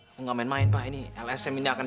aku gak main main pak ini lsm ini akan